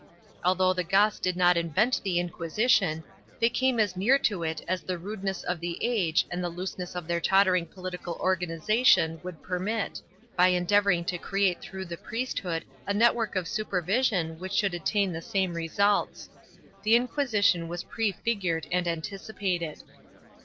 Although the Goths did not invent the Inquisition, they came as near to it as the rudeness of the age and the looseness of their tottering political organization would permit, by endeavoring to create through the priesthood a network of supervision which should attain the same results. The Inquisition was prefigured and anticipated.